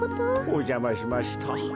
おじゃましました。